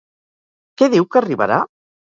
Què diu que arribarà?